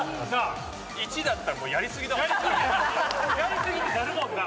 やりすぎってなるもんな。